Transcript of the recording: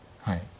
はい。